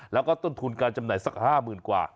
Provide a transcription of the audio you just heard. แล้วก็ต้นทุนการจำหน่ายสัก๕๐๐๐กว่า